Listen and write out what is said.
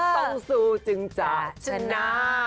ต้องสู้จึงจากชนะ